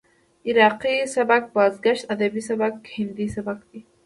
عراقي سبک، بازګشت ادبي سبک، هندي سبک دى.